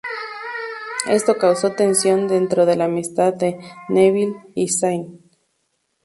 Esto causó tensión dentro de la amistad de Neville y Zayn.